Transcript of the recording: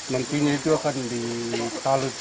nantinya itu akan di talut